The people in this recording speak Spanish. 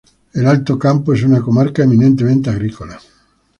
El Alto Campo es una comarca eminentemente agrícola.